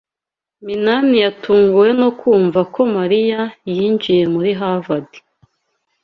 Minani yatunguwe no kumva ko Marina yinjiye muri Harvard.